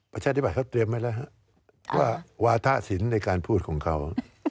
ประชาธิบัตยเขาเตรียมไว้แล้วว่าวาทะสินในการพูดของเขา